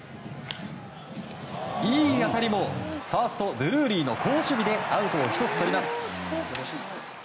いい当たりもファースト、ドゥルーリーの好守備でアウトを１つとります。